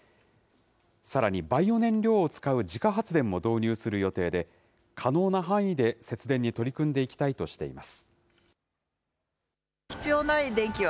さらに、バイオ燃料を使う自家発電も導入する予定で、可能な範囲で節電に取り組んでいきたいとしています。